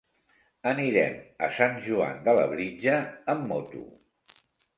Anirem a Sant Joan de Labritja amb moto.